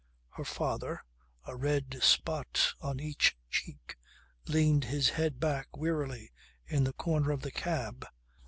Her father, a red spot on each cheek, leaned his head back wearily in the corner of the cab.